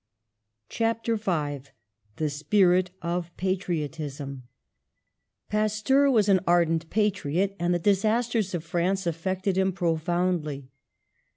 CHAPTER V THE SPIRIT OF PATRIOTISM PASTEUR was an ardent patriot, and the disasters of France affected him pro foundly.